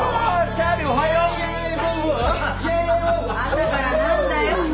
朝からなんだよ！